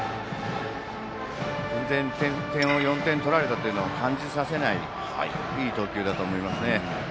全然４点取られたというのを感じさせないいい投球だと思いますね。